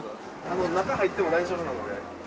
中入っても大丈夫なので。